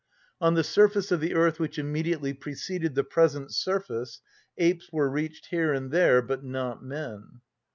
On the surface of the earth which immediately preceded the present surface apes were reached here and there, but not men.